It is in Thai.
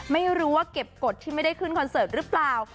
ไม่รู้ว่าเก็บกฎที่ไม่ได้ขึ้นคอนเสิร์ตหรือเปล่า